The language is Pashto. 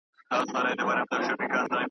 ژوند په خیال کي تېرومه راسره څو خاطرې دي .